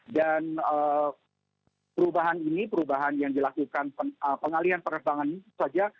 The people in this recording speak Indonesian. dan perubahan ini perubahan yang dilakukan pengalian pererbangan saja